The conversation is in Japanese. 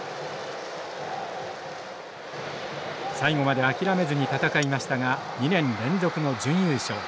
最後まで諦めずに戦いましたが２年連続の準優勝。